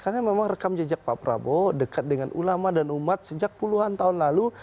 karena memang rekam jejak pak prabowo dekat dengan ulama dan umat sejak puluhan tahun lalu